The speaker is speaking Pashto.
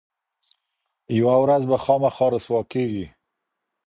یوه ورځ به خامخا رسوا کیږي.